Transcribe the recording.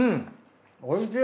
おいしい！